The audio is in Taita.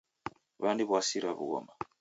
W'aniw'asira w'ughoma